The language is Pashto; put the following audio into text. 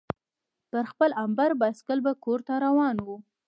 پر خپل امبر بایسکل به کورته روان وو.